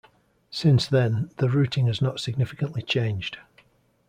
Since then, the routing has not significantly changed.